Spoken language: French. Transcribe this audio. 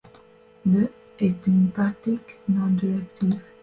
Le est une pratique non-directive.